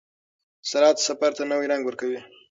سرعت سفر ته نوی رنګ ورکوي.